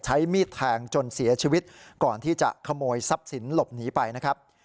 ใช้มีดแทงจนเสียชีวิตก่อนที่จะขโมยทรัพย์สินหลบหนีไปนะครับ